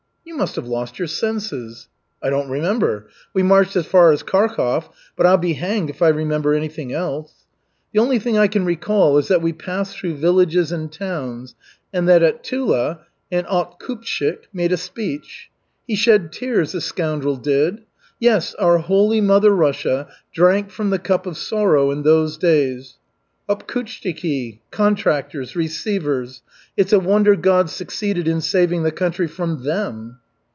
"You must have lost your senses." "I don't remember. We marched as far as Kharkov, but I'll be hanged if I remember anything else. The only thing I can recall is that we passed through villages and towns and that at Tula an otkupshchik made a speech. He shed tears, the scoundrel did. Yes, our holy mother Russia drank from the cup of sorrow in those days. Otkupshchiki, contractors, receivers it's a wonder God succeeded in saving the country from them."